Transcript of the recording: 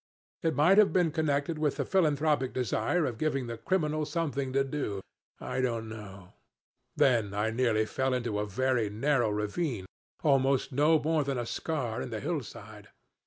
It might have been connected with the philanthropic desire of giving the criminals something to do. I don't know. Then I nearly fell into a very narrow ravine, almost no more than a scar in the hillside.